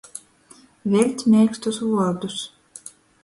Veļt meikstus vuordus.